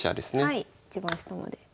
はい一番下まで。